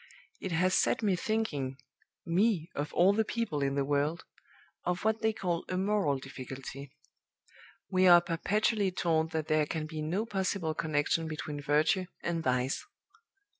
It has set me thinking (me, of all the people in the world!) of what they call 'a moral difficulty.' We are perpetually told that there can be no possible connection between virtue and vice.